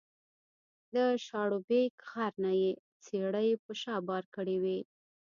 د شاړوبېک غر نه یې څېړۍ په شا بار کړې وې